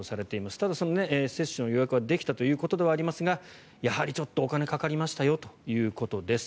ただ、その接種の予約はできたということではありますがやはりお金がかかりましたよということです。